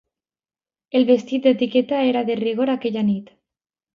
El vestit d'etiqueta era de rigor, aquella nit.